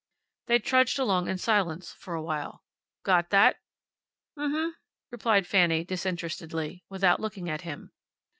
They trudged along in silence for a little while. "Got that?" "M m," replied Fanny, disinterestedly, without looking at him.